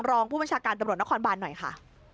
รองผู้บันชาการระคอนบาลน่ะหน่อยค่ะ